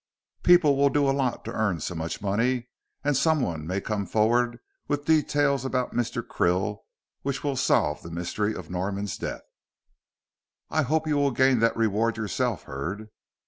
People will do a lot to earn so much money, and someone may come forward with details about Mr. Krill which will solve the mystery of Norman's death." "I hope you will gain the reward yourself, Hurd."